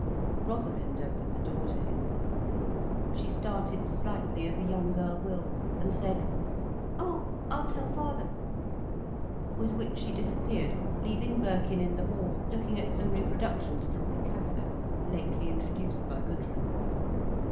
Rosalind opened the door to him. She started slightly, as a young girl will, and said: "Oh, I'll tell father." With which she disappeared, leaving Birkin in the hall, looking at some reproductions from Picasso, lately introduced by Gudrun.